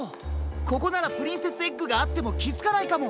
ここならプリンセスエッグがあってもきづかないかも。